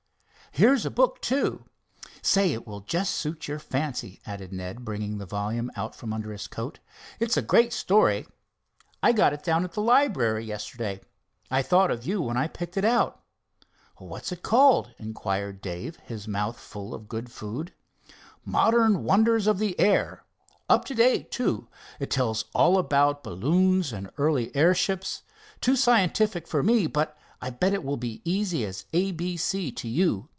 "Here's a book, too. Say, it will just suit your fancy," added Ned, bringing the volume out from under his coat. "It's a great story. I got it down at the library yesterday. I thought of you when I picked it out." "What is it called?" inquired Dave, his mouth full of good food. "'Modern Wonders of the Air'—up to date, too. It tells all about balloons and early airships. Too scientific for me, but I'll bet it will be easy as A. B. C. to you."